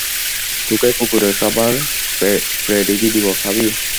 তোকে কুকুরের খাবার পেডিগ্রি দিব, খাবি?